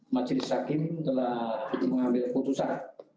majelis hakim telah mengambil keputusan